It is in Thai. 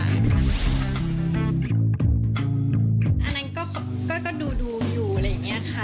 อันนั้นก็ดูอยู่อะไรอย่างนี้ค่ะ